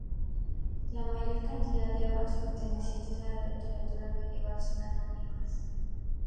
La mayor cantidad de obras pertenecientes a la literatura medieval son anónimas.